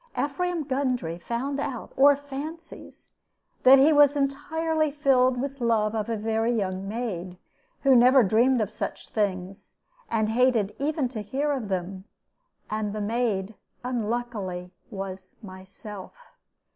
Ephraim Gundry found out, or fancied, that he was entirely filled with love of a very young maid, who never dreamed of such things, and hated even to hear of them; and the maid, unluckily, was myself.